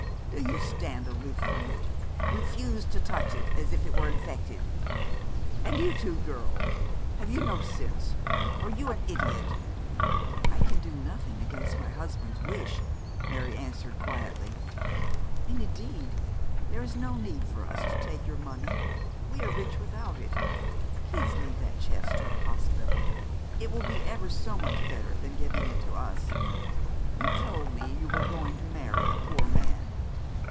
Do you stand aloof from it refuse to touch it, as if it were infected? And you, too, girl! Have you no sense? Are you an idiot?' 'I can do nothing against my husband's wish,' Mary answered, quietly; 'and, indeed, there is no need for us to take your money. We are rich without it. Please leave that chest to a hospital. It will be ever so much better than giving it to us.' 'You told me you were going to marry a poor man?'